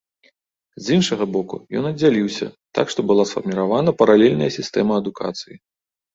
З іншага боку, ён аддзяліўся, так што была сфарміравана паралельная сістэма адукацыі.